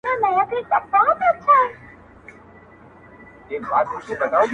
واه پيره، واه، واه مُلا د مور سيدې مو سه، ډېر~